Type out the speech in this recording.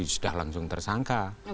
sudah langsung tersangka